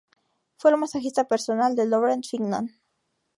Fue el masajista personal de Laurent Fignon.